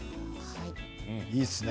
いいですね。